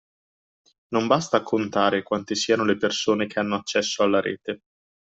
Non basta contare quante siano le persone che hanno accesso alla rete